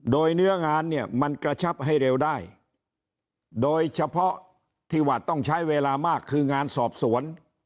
โดยเนื้องานเนี่ยมันกระชับให้เร็วได้โดยเฉพาะที่ว่าต้องใช้เวลามากคืองานสอบสวน